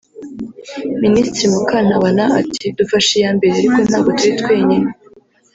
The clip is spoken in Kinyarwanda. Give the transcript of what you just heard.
Minisitiri Mukantabana ati “Dufashe iya mbere ariko ntabwo turi twenyine